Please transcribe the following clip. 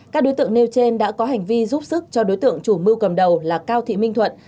các đối tượng nêu trên đã có hành vi giúp sức cho đối tượng chủ mưu cầm đầu là cao thị minh thuận